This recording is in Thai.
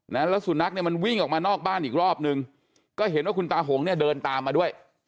แล้วสุนัขเนี่ยมันวิ่งออกมานอกบ้านอีกรอบนึงก็เห็นว่าคุณตาหงเนี่ยเดินตามมาด้วย